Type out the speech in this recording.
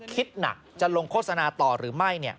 คิดหนักจะลงโฆษณาต่อหรือไม่